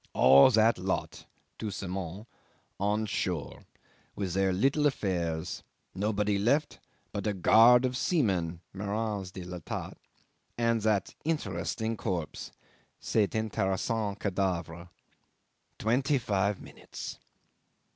... "All that lot (tout ce monde) on shore with their little affairs nobody left but a guard of seamen (marins de l'Etat) and that interesting corpse (cet interessant cadavre). Twenty five minutes."